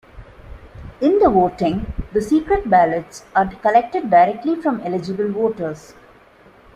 In the voting, the secret ballots are collected directly from eligible voters.